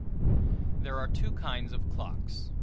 There are two kinds of clocks.